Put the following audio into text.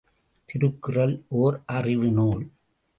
திருக்குறள் ஓர் அறிவுநூல்.